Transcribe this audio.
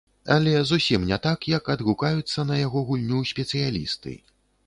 Але зусім не так, як адгукаюцца на яго гульню спецыялісты.